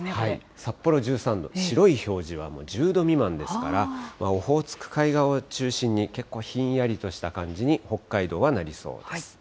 札幌１３度、白い表示はもう１０度未満ですから、オホーツク海側を中心に、けっこうひんやりとした感じに北海道はなりそうです。